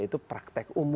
itu praktek umum